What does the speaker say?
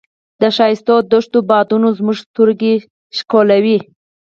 د ښکلو دښتو بادونو زموږ سترګې ښکلولې.